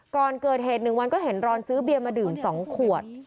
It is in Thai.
ก่อนเกิดเหตุ๑วันก็เห็นรอนซื้อเบียร์มาดื่ม๒ขวด